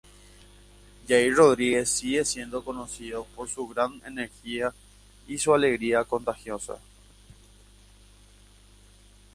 Jair Rodrigues sigue siendo conocido por su gran energía y su alegría contagiosa.